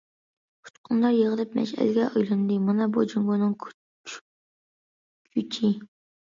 ئۇچقۇنلار يىغىلىپ، مەشئەلگە ئايلاندى، مانا بۇ جۇڭگونىڭ كۈچى!